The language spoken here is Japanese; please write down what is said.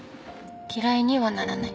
嫌いにはならない。